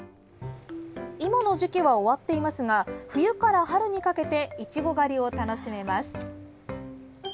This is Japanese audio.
今の時期は終わっていますが冬から春にかけていちご狩りを楽しめます。